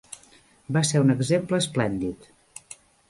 Va ser un exemple esplèndid.